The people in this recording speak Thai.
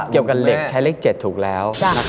เกี่ยวกับเหล็กใช้เลข๗ถูกแล้ว